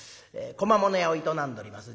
小間物屋を営んでおります